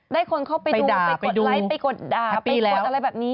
คนเข้าไปดูไปกดไลค์ไปกดด่าไปกดอะไรแบบนี้